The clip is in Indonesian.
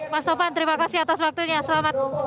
mas topan terima kasih atas waktunya selamat